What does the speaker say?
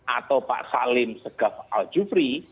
atau pak salim segaf aljufri